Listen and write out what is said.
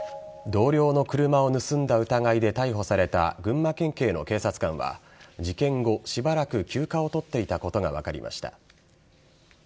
同僚の車を盗んだ疑いで逮捕された群馬県警の警察官は、事件後、しばらく休暇を取っていたことが分かりました。